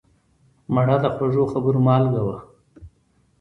مړه د خوږو خبرو مالګه وه